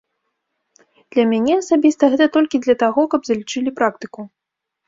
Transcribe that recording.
Для мяне асабіста гэта толькі для таго, каб залічылі практыку.